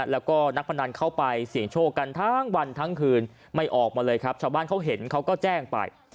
แล้วก็นักพนันเข้าไปเสี่ยงโชคกันทั้งวันทั้งคืนไม่ออกมาเลยครับชาวบ้านเขาเห็นเขาก็แจ้งไป